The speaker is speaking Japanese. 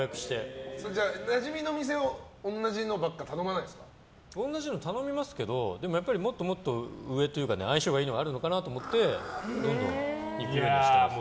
なじみの店では同じのばっかり同じの頼みますけどでも、もっともっと上というか相性がいいのがあるのかなと思ってどんどん行くようにしてますね。